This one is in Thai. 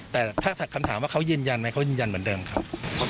แต่ถ้าคำถามว่าเขายืนยันไหมเขายืนยันเหมือนเดิมครับ